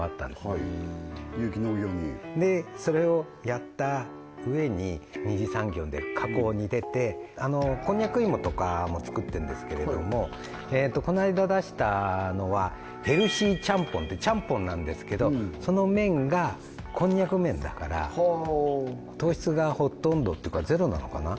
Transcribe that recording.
はい有機農業にそれをやった上に二次産業で加工に出てこんにゃく芋とかも作ってんですけれどもこの間出したのはヘルシーちゃんぽんってちゃんぽんなんですけどその麺がこんにゃく麺だから糖質がほとんどっていうかゼロなのかな？